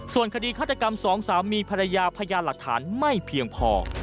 ส่วนคดีฆาตกรรมสองสามีภรรยาพยานหลักฐานไม่เพียงพอ